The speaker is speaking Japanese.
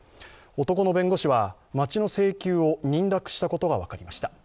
男の弁護士は、町の請求を認諾したことが分かりました。